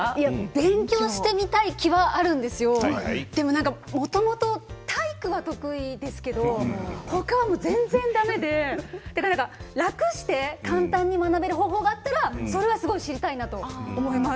勉強したい気はあるんですけれどもともと体育は得意ですけれどほかは全然だめで楽して簡単に学べる方法があったら、それは知りたいと思います。